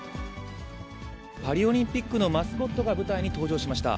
パリオリンピックのマスコットが舞台に登場しました。